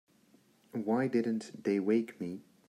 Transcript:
Why didn't they wake me?